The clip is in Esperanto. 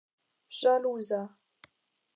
ĵaluza